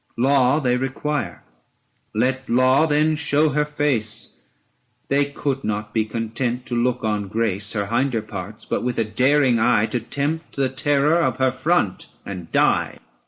1005 Law they require, let Law then show her face; They could not be content to look on Grace, Her hinder parts, but with a daring eye To tempt the terror of her front and die.